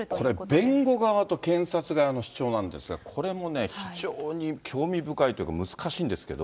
これ、弁護側と検察側の主張なんですが、これもね、非常に興味深いけど、難しいんですけど。